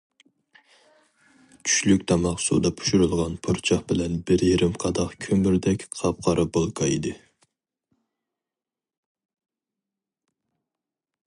چۈشلۈك تاماق سۇدا پىشۇرۇلغان پۇرچاق بىلەن بىر يېرىم قاداق كۆمۈردەك قاپقارا بولكا ئىدى.